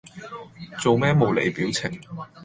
做咩冇厘表情